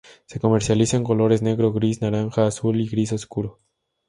Se comercializa en colores negro, gris, naranja, azul y gris oscuro.